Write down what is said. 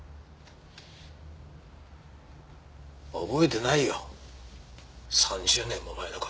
覚えてないよ３０年も前の事。